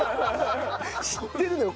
知ってるのよ。